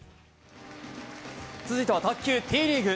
続いては卓球、Ｔリーグ。